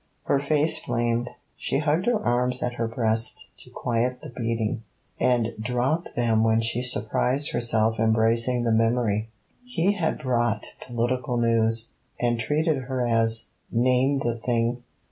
Her face flamed. She hugged her arms at her breast to quiet the beating, and dropped them when she surprised herself embracing the memory. He had brought political news, and treated her as name the thing!